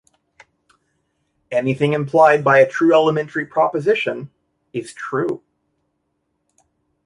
Anything implied by a true elementary proposition is true.